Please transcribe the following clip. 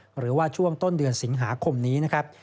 หรือว่าช่วงต้นเดือนสิงหาคมนี้นะครับ